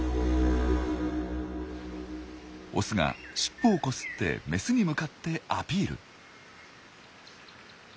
オスが尻尾をこすってメスに向かってアピール。